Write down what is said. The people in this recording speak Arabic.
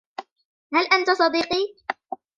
هل أنتَ صديقي ؟